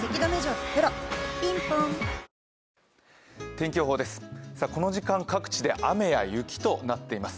天気予報です。